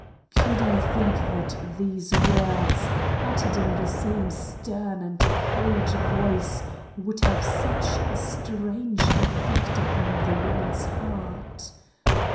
Could I think that these words, uttered in the same stern and cold voice, would have such a strange effect upon the woman's heart?